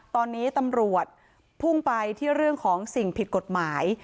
ตอนนี้ตำรวจพุ่งไปที่เรื่องของสิ่งผิดกฎหมาย